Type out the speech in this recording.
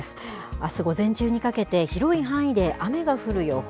あす午前中にかけて、広い範囲で雨が降る予報。